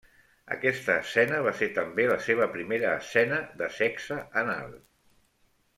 Aquesta escena va ser també la seva primera escena de sexe anal.